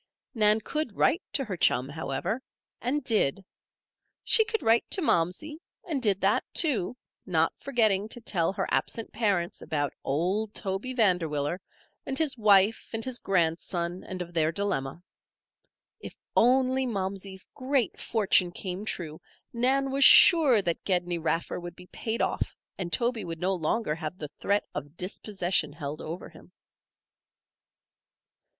Nan could write to her chum, however, and did. She could write to Momsey, and did that, too; not forgetting to tell her absent parents about old Toby Vanderwiller, and his wife and his grandson, and of their dilemma. If only Momsey's great fortune came true, Nan was sure that Gedney Raffer would be paid off and Toby would no longer have the threat of dispossession held over him.